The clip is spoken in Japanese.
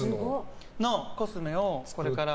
そのコスメをこれから。